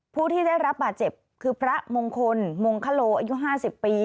ผู้ที่ได้รับบาดเจ็บคือพระมงคลมงคโลอายุ๕๐ปี